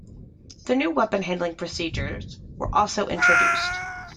New weapon handling procedures were also introduced.